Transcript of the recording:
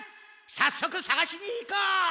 さっそくさがしに行こう！